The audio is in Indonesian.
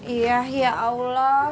iya ya allah